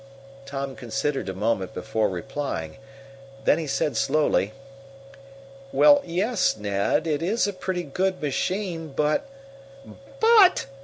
Tom considered a moment before replying. Then he said slowly: "Well, yes, Ned, it is a pretty good machine. But " "'But!'